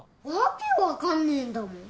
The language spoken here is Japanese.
訳わかんねぇんだもん。